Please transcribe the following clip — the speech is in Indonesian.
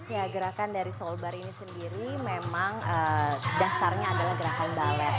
ya gerakan dari soul bar ini sendiri memang dasarnya adalah gerakan balet